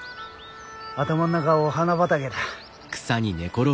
頭ん中お花畑だ。